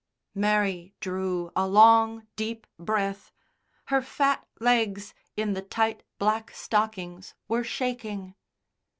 Mary drew a long, deep breath. Her fat legs in the tight, black stockings were shaking.